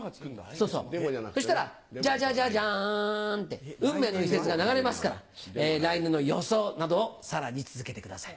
そうそうそしたら。ジャジャジャジャンと「運命」の一節が流れますから来年の予想などをさらに続けてください。